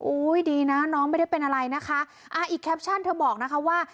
ดีนะน้องไม่ได้เป็นอะไรนะคะอ่าอีกแคปชั่นเธอบอกนะคะว่า